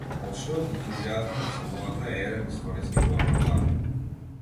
Општиот ентузијазам од слободата е еден историски познат факт.